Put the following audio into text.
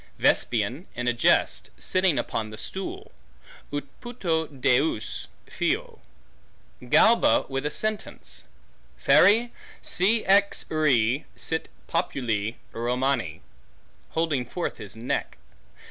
Vespasian in a jest, sitting upon the stool; Ut puto deus fio. Galba with a sentence; Feri, si ex re sit populi Romani; holding forth his neck.